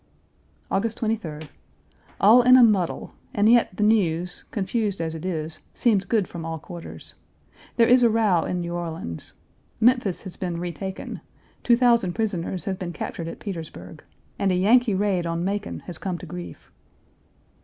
August 23d. All in a muddle, and yet the news, confused as it is, seems good from all quarters. There is a row in New Orleans. Memphis1 has been retaken; 2,000 prisoners have been captured at Petersburg, and a Yankee raid on Macon has come to grief.